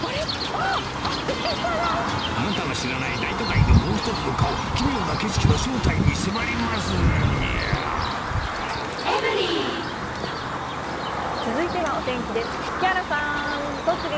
アナタの知らない大都会のもう一つの顔、奇妙な景色の正体に続いてはお天気です。